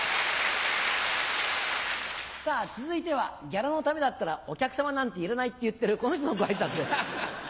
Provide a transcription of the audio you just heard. さぁ続いては「ギャラのためだったらお客さまなんていらない」って言ってるこの人のご挨拶です。